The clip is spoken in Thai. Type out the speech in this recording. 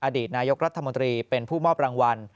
อดีตนายกรัฐมนตรีเป็นผู้มอบรางวัล